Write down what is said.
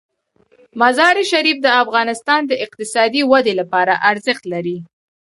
مزارشریف د افغانستان د اقتصادي ودې لپاره ارزښت لري.